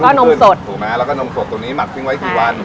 ก็นมสดถูกไหมแล้วก็นมสดตัวนี้หมักทิ้งไว้กี่วัน